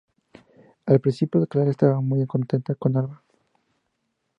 Al principio, Clara estaba muy contenta con Alba.